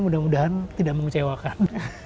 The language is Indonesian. mudah mudahan tidak mengecewakan